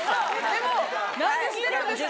でも何で捨てるんですか？